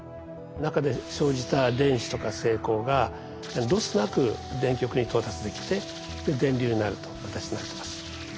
中で生じた電子とか正孔がロスなく電極に到達できて電流になるという形になってます。